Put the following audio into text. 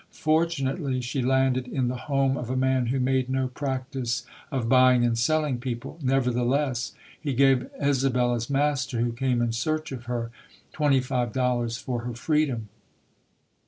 Fortunately, she landed in the home of a man who made no practice of buying and selling people. Nevertheless, he gave Isabella's master, who came in search of her, twenty five dollars for her freedom.